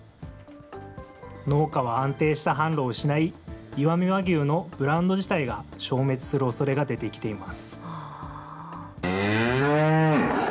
農家は安定した販路を失い、石見和牛のブランド自体が消滅するおそれが出てきています。